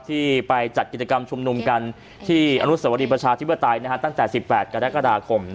ที่ไปจัดกิจกรรมชุมนุมกันที่อนุสวรีประชาธิปไตยตั้งแต่๑๘กรกฎาคม